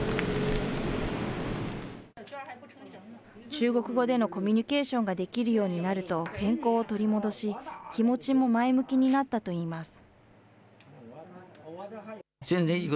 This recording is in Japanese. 中国語でのコミュニケーションができるようになると、健康を取り戻し、気持ちも前向きになったといいます。